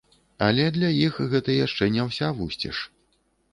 Але для іх гэта яшчэ не ўся вусціш.